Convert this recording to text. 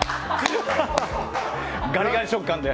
ガリガリ食感で。